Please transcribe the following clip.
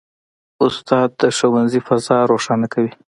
استاد د ښوونځي فضا روښانه کوي.